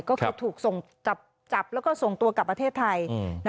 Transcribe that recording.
ก็คือถูกส่งจับแล้วก็ส่งตัวกลับประเทศไทย